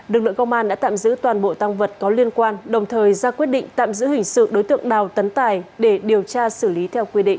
lực lượng công an đã tạm giữ toàn bộ tăng vật có liên quan đồng thời ra quyết định tạm giữ hình sự đối tượng đào tấn tài để điều tra xử lý theo quy định